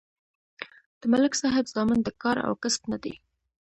د ملک صاحب زامن د کار او کسب نه دي